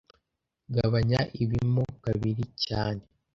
Gabanya ibi mo kabiri cyane